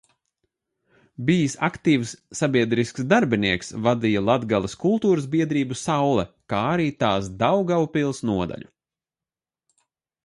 "Bijis aktīvs sabiedrisks darbinieks, vadīja Latgales kultūras biedrību "Saule", kā arī tās Daugavpils nodaļu."